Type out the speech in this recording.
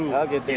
oh gitu ya